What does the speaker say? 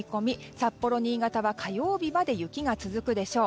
札幌、新潟は火曜日まで雪が続くでしょう。